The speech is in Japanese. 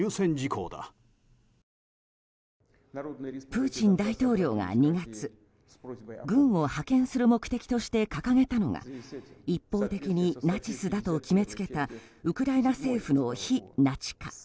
プーチン大統領が２月軍を派遣する目的として掲げたのが一方的にナチスだと決めつけたウクライナ政府の非ナチ化。